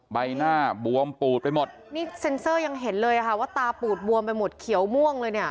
ใบหน้าบวมปูดไปหมดนี่เซ็นเซอร์ยังเห็นเลยอ่ะค่ะว่าตาปูดบวมไปหมดเขียวม่วงเลยเนี่ย